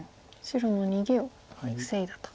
白の逃げを防いだと。